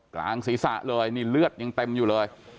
กลางศีรษะเลยนี่เลือดยังเต็มอยู่เลย